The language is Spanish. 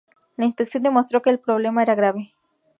La inspección demostró que el problema era grave.